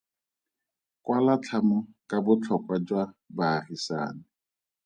Kwala tlhamo ka botlhokwa jwa baagisani.